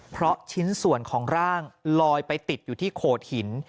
เพราะชิ้นส่วนของร่างลอยไปติดอยู่ที่โขดหิน